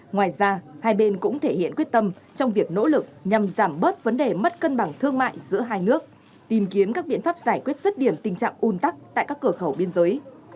ngoài ra hai bên cũng thể hiện quyết tâm trong việc nỗ lực nhằm giảm bớt vấn đề mất cân bằng thương mại giữa hai nước tìm kiếm các biện pháp giải quyết rứt điểm tình trạng un tắc tại các cửa khẩu biên giới